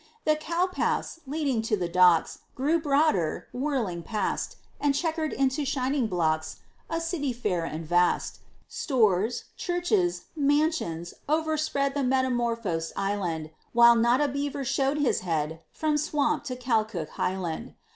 The cowpaths, leading to the docks, Grew broader, whirling past, And checkered into shining blocks, A city fair and vast; Stores, churches, mansions, overspread The metamorphosed island, While not a beaver showed his head From Swamp to Kalchook highland.